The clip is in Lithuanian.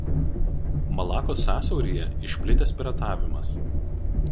Malakos sąsiauryje išplitęs piratavimas.